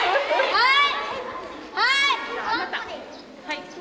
はい！